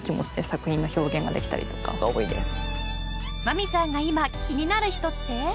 万美さんが今気になる人って？